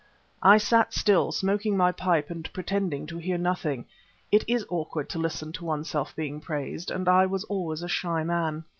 I sat still, smoking my pipe and pretending to hear nothing. It is awkward to listen to oneself being praised, and I was always a shy man.